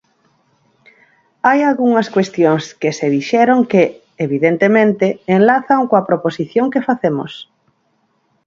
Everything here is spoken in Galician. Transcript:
Hai algunhas cuestións que se dixeron que, evidentemente, enlazan coa proposición que facemos.